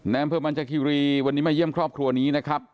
แนมเพิ่มอันจักรีวันนี้มาเยี่ยมครอบครัวนี้นะครับ